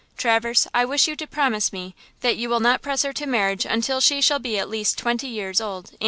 Traverse, I wish you to promise me that you will not press her to marriage until she shall be at least twenty years old.